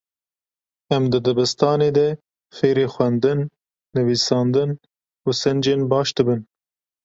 Em di dibistanê de fêrî xwendin, nivîsandin û sincên baş dibin.